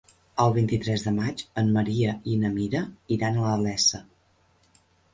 El vint-i-tres de maig en Maria i na Mira iran a la Iessa.